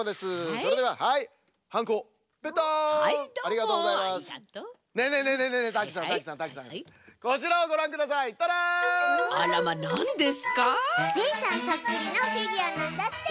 そっくりのフィギュアなんだって。